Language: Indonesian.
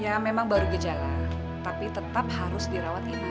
ya memang baru gejala tapi tetap harus dirawatin mak